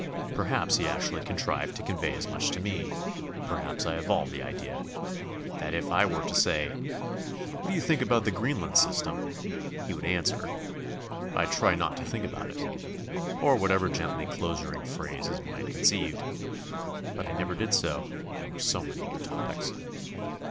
Perhaps he actually contrived to convey as much to me; perhaps I evolved the idea that if I were to say: "What do you think about the 'Greenland System'" he would answer: "I try not to think about it," or whatever gently closuring phrase his mind conceived. But I never did so; there were so many other topics.